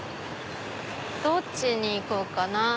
どっちに行こうかなぁ。